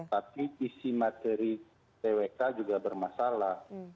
tapi isi materi twk juga bermasalah